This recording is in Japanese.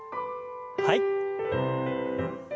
はい。